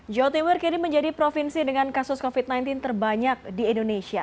jawa timur kini menjadi provinsi dengan kasus covid sembilan belas terbanyak di indonesia